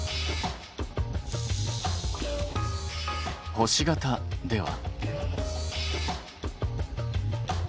星形では？